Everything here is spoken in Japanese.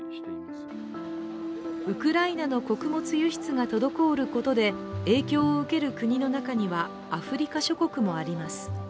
ウクライナの穀物輸出が滞ることで影響を受ける国の中には、アフリカ諸国もあります。